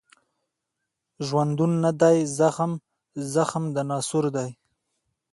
ژوندون نه دی زخم، زخم د ناسور دی